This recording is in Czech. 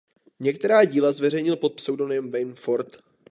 Některá díla zveřejnil pod pseudonymem Wayne Ford.